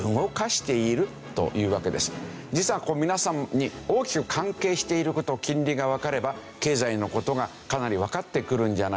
実は皆さんに大きく関係している事金利がわかれば経済の事がかなりわかってくるんじゃないか。